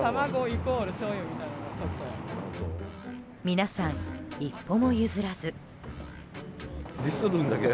皆さん、一歩も譲らず。